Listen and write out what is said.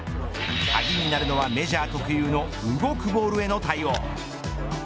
鍵になるのはメジャー特有の動くボールへの対応。